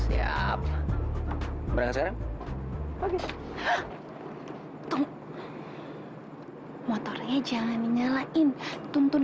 ika udah takut ga raininih diakui